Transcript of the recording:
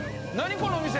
この店。